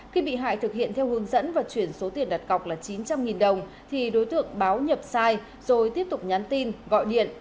khi bị hại thực hiện theo hướng dẫn và chuyển số tiền đặt cọc là chín trăm linh đồng thì đối tượng báo nhập sai rồi tiếp tục nhắn tin gọi điện